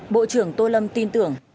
bộ trưởng tô lâm tin tưởng